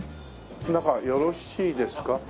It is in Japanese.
中よろしいですか？